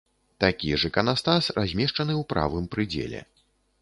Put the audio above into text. Такі ж іканастас размешчаны ў правым прыдзеле.